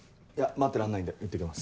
待ってらんないんでいってきます。